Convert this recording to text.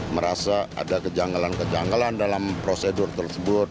merasa ada kejanggalan kejanggalan dalam prosedur tersebut